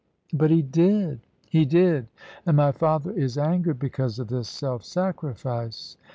"But he did he did. And my father is angered because of this self sacrifice.